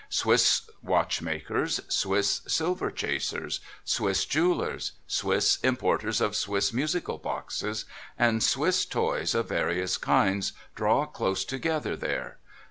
Swiss watchmakers, Swiss silver chasers, Swiss jewellers, Swiss importers of Swiss musical boxes and Swiss toys of various kinds, draw close together there.